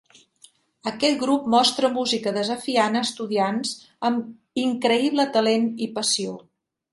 Aquest grup mostra música desafiant a estudiants amb increïble talent i passió.